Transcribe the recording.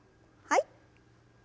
はい。